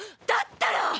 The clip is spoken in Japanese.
だったら。